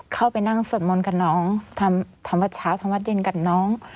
เข้าไปนั่งสวดมนต์กับน้องทำวัดเช้าทำวัดเย็นกับน้อง